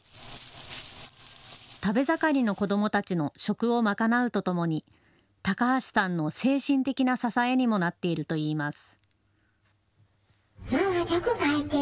食べ盛りの子どもたちの食を賄うとともに高橋さんの精神的な支えにもなっているといいます。